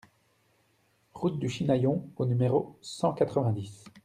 Route du Chinaillon au numéro cent quatre-vingt-dix